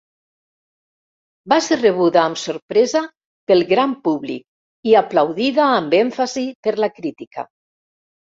Va ser rebuda amb sorpresa pel gran públic i aplaudida amb èmfasi per la crítica.